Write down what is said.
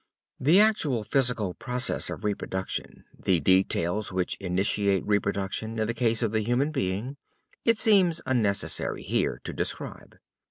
The actual physical process of reproduction, the details which initiate reproduction in the case of the human being, it seems unnecessary here to describe.